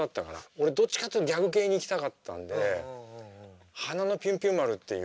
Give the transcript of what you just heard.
俺どっちかっていうとギャグ系にいきたかったんで「花のピュンピュン丸」っていう。